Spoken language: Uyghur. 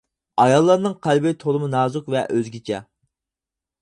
ئاياللارنىڭ قەلبى تولىمۇ نازۇك ۋە ئۆزگىچە.